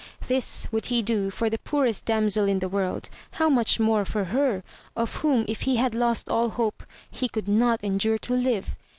This would he do for the poorest damsel in the world, how much more for her, 24 AMADIS OF GAUL. of whom if he had lost all hope, he could not endure to live